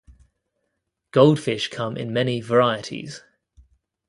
Goldfish come in many varieties.